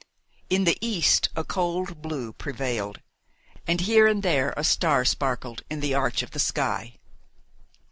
In the east a cold blue prevailed, and here and there a star sparkled in the arch of the sky.